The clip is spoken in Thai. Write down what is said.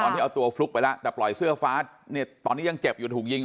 ที่เอาตัวฟลุ๊กไปแล้วแต่ปล่อยเสื้อฟ้าเนี่ยตอนนี้ยังเจ็บอยู่ถูกยิง